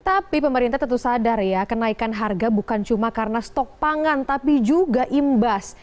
tapi pemerintah tentu sadar ya kenaikan harga bukan cuma karena stok pangan tapi juga imbas